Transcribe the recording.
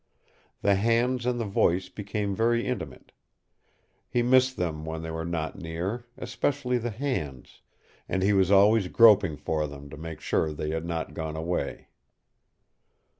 The hands and the voice became very intimate. He missed them when they were not near, especially the hands, and he was always groping for them to make sure they had not gone away.